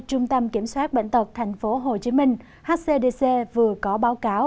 trung tâm kiểm soát bệnh tật tp hcm hcdc vừa có báo cáo